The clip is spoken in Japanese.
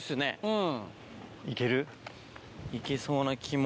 うん。